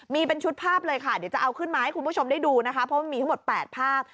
มีเป็นชุดภาพเลยค่ะเดี๋ยวจะเอาขึ้นมาให้คุณผู้ชมได้ดูนะคะเพราะมันมีทั้งหมด๘ภาพ